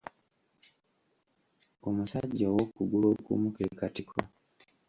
Omusajja ow’okugulu okumu ke katiko.